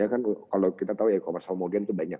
kalau kita tahu e commerce homogen itu banyak